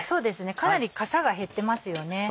かなりかさが減ってますよね。